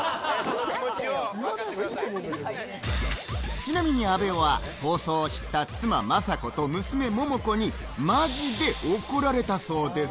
ちなみに阿部は放送を知った妻・まさ子と娘・桃子にマジで怒られたそうです。